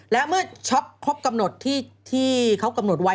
และเมื่อช็อปครบกำหนดที่เขากำหนดไว้